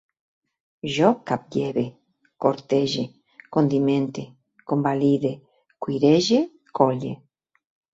Jo caplleve, cortege, condimente, convalide, cuirege, colle